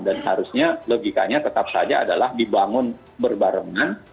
dan harusnya logikanya tetap saja adalah dibangun berbarengan